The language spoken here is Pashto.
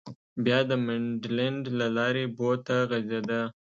بیا د منډلنډ له لارې بو ته غځېده.